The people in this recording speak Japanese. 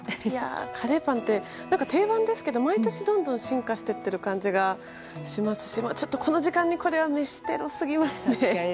カレーパンって定番ですけど毎年どんどん進化していっている感じがしますしあと、この時間にこれは飯テロすぎますね。